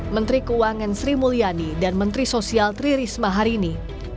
menteri keuangan sri mulyani dan menteri sosial tri risma hari ini